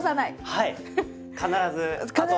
はい。